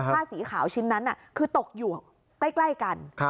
ผ้าสีขาวชิ้นนั้นคือตกอยู่ใกล้กัน